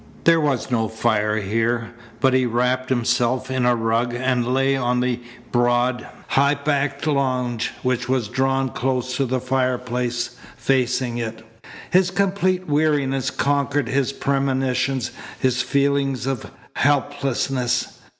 There was no fire here, but he wrapped himself in a rug and lay on the broad, high backed lounge which was drawn close to the fireplace, facing it. His complete weariness conquered his premonitions, his feeling of helplessness.